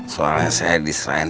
soalnya saya diserahin